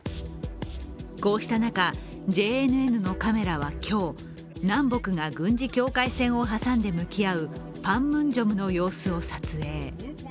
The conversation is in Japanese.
こうした中、ＪＮＮのカメラは今日、南北が軍事境界線を挟んで向き合うパンムンジョムの様子を撮影。